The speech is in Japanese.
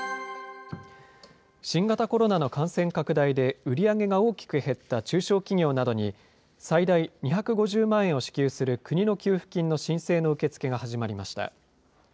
新型コロナの感染拡大で売り上げが大きく減った中小企業などに、最大２５０万円を支給する国の給付金の申請の受け付けが始まりました。